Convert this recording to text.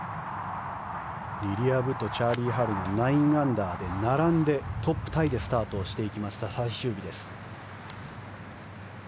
リリア・ブとチャーリー・ハルが９アンダーで並んでトップタイでスタートしていきました最終日です。